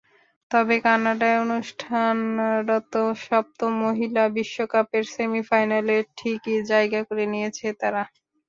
তবে কানাডায় অনুষ্ঠানরত সপ্তম মহিলা বিশ্বকাপের সেমিফাইনালে ঠিকই জায়গা করে নিয়েছে তারা।